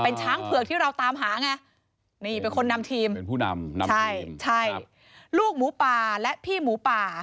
นี่เป็นคนนำทีมเป็นผู้นำนำทีมใช่ใช่ลูกหมูป่าและพี่หมูป่า